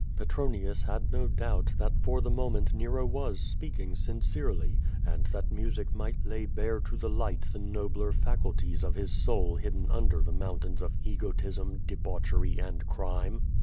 Petronius had no doubt that for the moment Xero was speaking sincerely, and that music might lay bare to the light the nobler faculties of his soul hidden under the foun tains of ejrotism, debauchery, and crime.